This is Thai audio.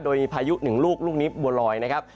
โดยมีพายุหนึ่งลูกลูกนี้บัวรอย